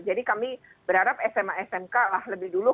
jadi kami berharap sma smk lah lebih dulu